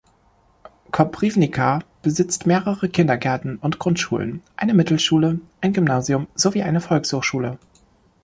Koprivnica besitzt mehrere Kindergärten und Grundschulen, eine Mittelschule, ein Gymnasium sowie eine Volkshochschule.